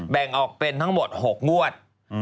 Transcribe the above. แบ่งออกเป็นทั้งหมด๖งวด